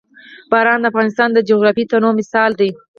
باران د افغانستان د جغرافیوي تنوع مثال دی.